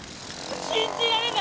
信じられない！